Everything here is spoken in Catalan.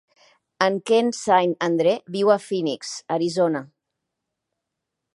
En Ken Saint Andre viu a Phoenix, Arizona.